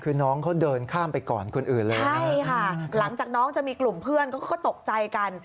คือน้องเขาเดินข้ามไปก่อนคนอื่นเลยใช่ค่ะหลังจากน้องจะมีกลุ่มเพื่อนเขาก็ตกใจกัน